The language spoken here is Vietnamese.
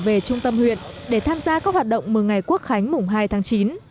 họ đã đến trung tâm huyện để tham gia các hoạt động mừng ngày quốc khánh mùng hai tháng chín